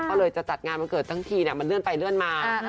ก็เลยจะจัดงานวันเกิดทั้งทีมันเลื่อนไปเลื่อนมา